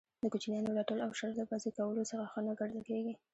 د کوچنیانو رټل او شړل له بازئ کولو څخه ښه نه ګڼل کیږي.